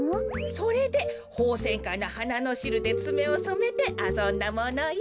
それでホウセンカのはなのしるでつめをそめてあそんだものよ。